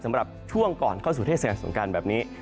สำหรับช่วงก่อนเข้าสู่เทศกาลสงการแบบนี้